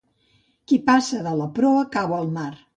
Qui passa de la proa, cau al mar.